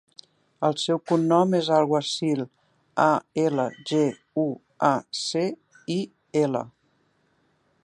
El seu cognom és Alguacil: a, ela, ge, u, a, ce, i, ela.